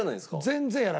全然やらない。